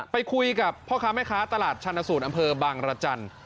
ไปคุยกับพ่อค้าแม่ค้าตลาดชันสูตรอำเภอบางรจันทร์